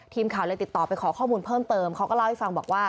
ทีมข่าวเลยติดต่อไปขอข้อมูลเพิ่มเติมเขาก็เล่าให้ฟังบอกว่า